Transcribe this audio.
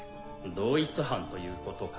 同一犯ということか。